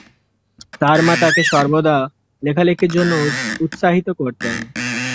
তার মা তাকে সর্বদা লেখালেখির জন্য উৎসাহিত করতেন।